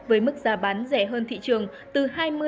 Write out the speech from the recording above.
với mức giá bán rẻ hơn thị trường từ hai mươi ba mươi